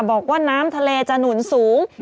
บอกว่าน้ำทะเลจะหนุนสูง